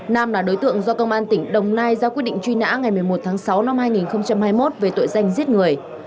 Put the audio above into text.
nam là đối tượng do công an tỉnh đồng nai ra quyết định truy nã ngày một mươi một tháng sáu năm hai nghìn hai mươi một về tội danh giết người